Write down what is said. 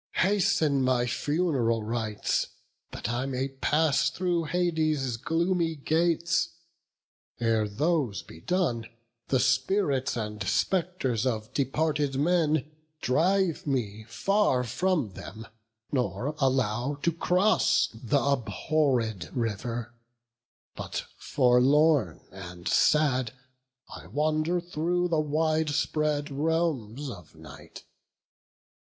Hasten my fun'ral rites, that I may pass Through Hades' gloomy gates; ere those be done, The spirits and spectres of departed men Drive me far from them, nor allow to cross Th' abhorred river; but forlorn and sad I wander through the wide spread realms of night.